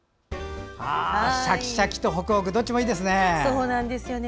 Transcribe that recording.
シャキシャキとホクホクどっちもいいですね。